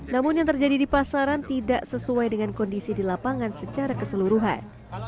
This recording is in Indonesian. namun yang terjadi di pasaran tidak sesuai dengan kondisi di lapangan secara keseluruhan